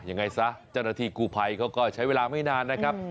ยังไงซะเจ้าหน้าที่กูภัยเขาก็ใช้เวลาไม่นานนะครับ